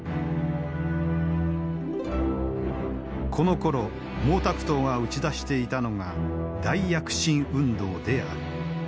このころ毛沢東が打ち出していたのが大躍進運動である。